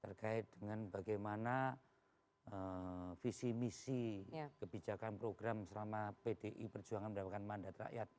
terkait dengan bagaimana visi misi kebijakan program selama pdi perjuangan mendapatkan mandat rakyat